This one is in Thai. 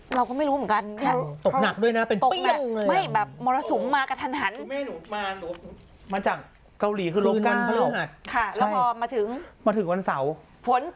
เราก็ไม่รู้เหมือนกันตกหนักด้วยนะเป็นปิ้งเลย